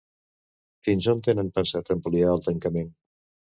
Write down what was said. Fins on tenen pensat ampliar el tancament?